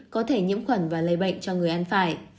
có thể nhiễm khuẩn và lây bệnh cho người ăn phải